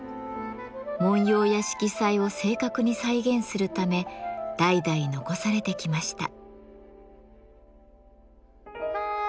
紋様や色彩を正確に再現するため代々残されてきました。